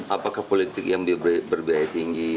apakah politik yang berbiaya tinggi